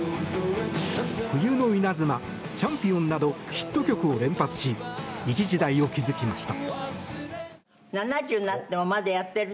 「冬の稲妻」「チャンピオン」などヒット曲を連発し一時代を築きました。